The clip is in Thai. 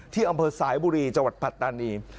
อำเภอสายบุรีจังหวัดปัตตานี